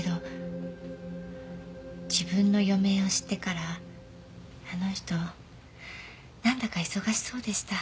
自分の余命を知ってからあの人なんだか忙しそうでした。